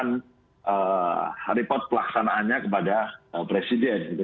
nah rapat pelaksanaannya kepada presiden